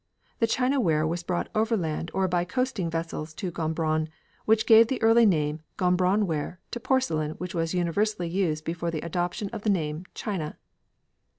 The china ware was brought overland or by coasting vessels to Gombron, which gave the early name "Gombron ware" to porcelain which was universally used before the adoption of the name "china."